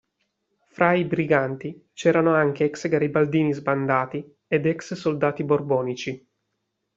Fra i briganti c'erano anche ex garibaldini sbandati ed ex soldati borbonici.